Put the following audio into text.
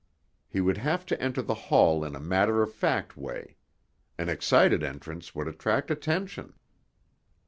He would have to enter the hall in a matter of fact way. An excited entrance would attract attention.